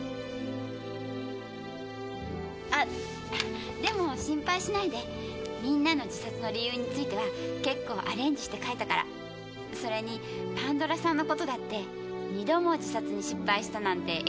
あっでも心配しないで皆の自殺の理由については結構アレンジして書いたからそれにパンドラさんのことだって２度も自殺に失敗したなんて描いてないし。